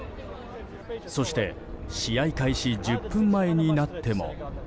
そして試合開始１０分前になっても。